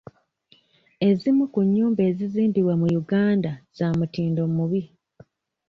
Ezimu ku nnyumba ezizimbibwa mu Uganda za mutindo mubi.